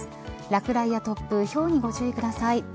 落雷や突風ひょうにご注意ください。